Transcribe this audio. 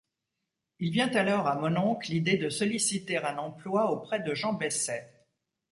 Il vient alors à Mononc l’idée de solliciter un emploi auprès de Jean Besset.